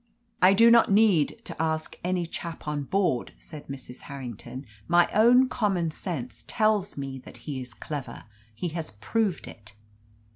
"I do not need to ask any chap on board," said Mrs. Harrington. "My own common sense tells me that he is clever. He has proved it."